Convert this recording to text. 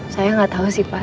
saya gak tau sih pak